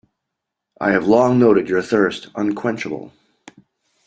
I have long noted your thirst unquenchable.